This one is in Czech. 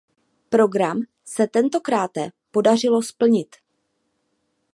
Program se tentokráte podařilo splnit.